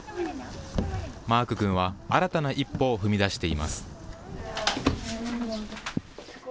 マーク君は新たな一歩を踏み出しています。